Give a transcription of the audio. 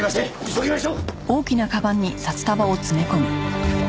急ぎましょう！